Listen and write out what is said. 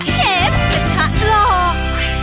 เชฟชั้นหลอก